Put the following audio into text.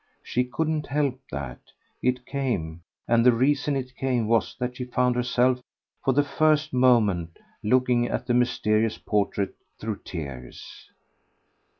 She couldn't help that it came; and the reason it came was that she found herself, for the first moment, looking at the mysterious portrait through tears.